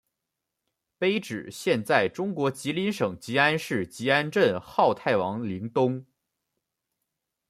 碑址现在中国吉林省集安市集安镇好太王陵东。